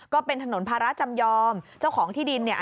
ก็เป็นถนนภาระจำยอมเจ้าของที่ดินเนี่ย